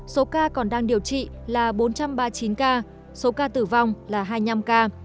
số ca còn đang điều trị là bốn trăm ba mươi chín ca số ca tử vong là hai mươi năm ca